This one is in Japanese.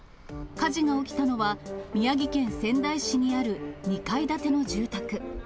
火事が起きたのは、宮城県仙台市にある２階建ての住宅。